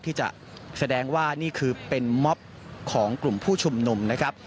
ที่จะแสดงว่านี่คือเป็นม็อบของกลุ่มผู้ชุมนุมนะครับ